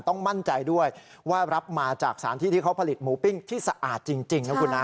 ต้องมั่นใจด้วยว่ารับมาจากสารที่ที่เขาผลิตหมูปิ้งที่สะอาดจริงนะคุณนะ